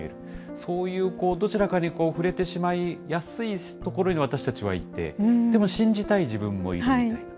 そういうどちらかに振れてしまいやすいところに私たちはいて、でも信じたい自分もいる、なるほど。